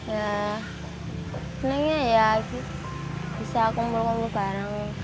ya senangnya ya bisa kumpul kumpul bareng